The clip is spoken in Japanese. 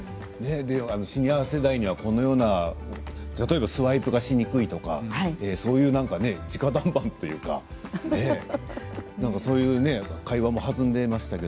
シニア世代には例えばスワイプがしにくいとかそういうじか談判というかねそういう会話も弾んでいましたね。